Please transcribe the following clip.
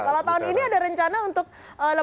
kalau tahun ini ada rencana untuk lebaran